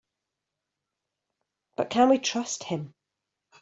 But can we trust him?